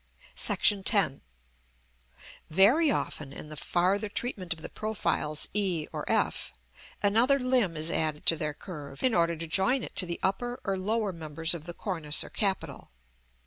§ X. Very often, in the farther treatment of the profiles e or f, another limb is added to their curve in order to join it to the upper or lower members of the cornice or capital.